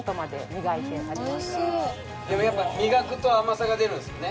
おいしい磨くと甘さが出るんですよね